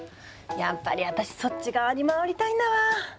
やっぱり私そっち側に回りたいんだわ。